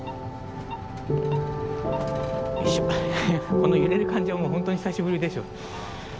この揺れる感じはほんとに久しぶりでしょ。